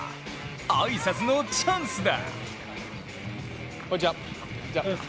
挨拶のチャンスだ！